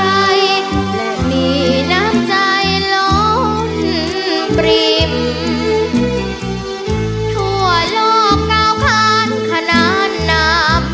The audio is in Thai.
และมีน้ำใจหล่นปริมทั่วโลกเก่าขานขนาดน้ำ